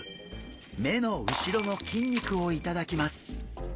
目の後ろの筋肉を頂きます。